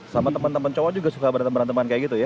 sama teman teman cowok juga suka berantem beranteman kayak gitu ya